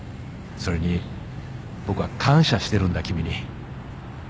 それに僕は感謝してるんだ君に。